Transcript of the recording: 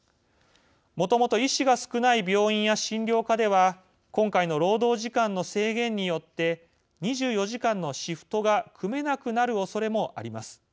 もともと医師が少ない病院や診療科では今回の労働時間の制限によって２４時間のシフトが組めなくなるおそれもあります。